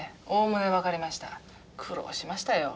おおむね分かりました。